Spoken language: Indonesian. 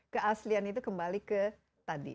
keaslian itu kembali ke tadi